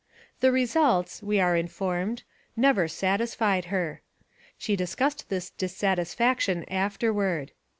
"The results," we are informed, "never satisfied /her." She discussed this dissatisfaction afterward.